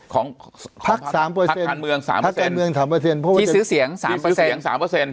ของภักดาลเมือง๓เปอร์เซ็นต์ที่ซื้อเสียง๓เปอร์เซ็นต์